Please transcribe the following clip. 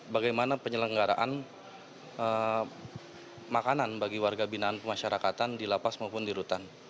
bagaimana penyelenggaraan makanan bagi warga binaan pemasyarakatan di lapas maupun di rutan